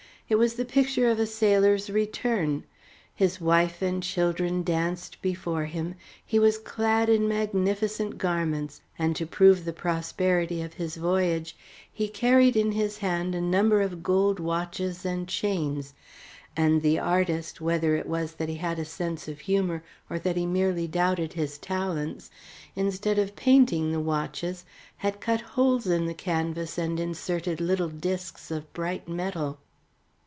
It was the picture of a sailor's return. His wife and children danced before him, he was clad in magnificent garments, and to prove the prosperity of his voyage he carried in his hand a number of gold watches and chains; and the artist, whether it was that he had a sense of humour or that he merely doubted his talents, instead of painting the watches, had cut holes in the canvas and inserted little discs of bright metal.